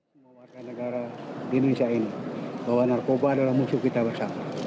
semua warga negara di indonesia ini bahwa narkoba adalah musuh kita bersama